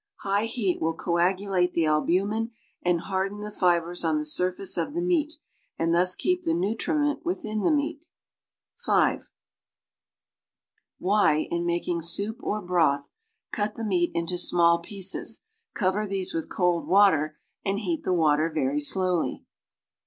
High heat will coagulate the albumin and harden the fibres on the surface of the meat and thus keep the nutriment with in the meat. (5) Why, in making soup or broth, cut the meat into small pieces, cover these with cold water and heat the water verv slowlv?